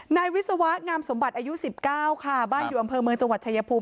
นายวิศวะงามสมบัติอายุ๑๙ค่ะบ้านอยู่อำเภอเมืองจังหวัดชายภูมิ